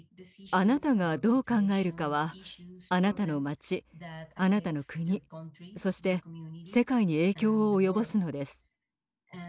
あなたがどう考えるかはあなたの町あなたの国そして世界に影響を及ぼすのです。